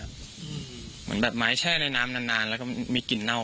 เหมือนแบบไม้แช่ในน้ำนานนานแล้วก็มีกลิ่นเน่า